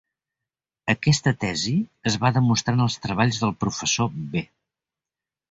Aquesta tesi es va demostrar en els treballs del Professor B.